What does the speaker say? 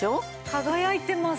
輝いてます。